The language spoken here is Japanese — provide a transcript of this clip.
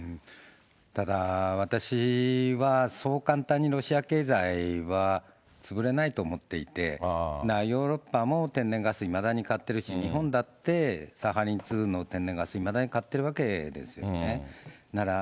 ただ、私はそう簡単にロシア経済は潰れないと思っていて、ヨーロッパも天然ガスいまだに買ってるし、日本だってサハリン２の天然ガス、いまだに買ってるわけですよね。